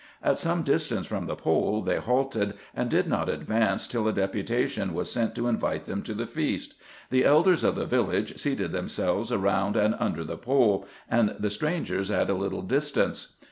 At some distance from the pole they halted, and did not advance till a deputation was sent to invite them to the feast. The elders of the village seated them selves around and under the pole, and the strangers at a little distance.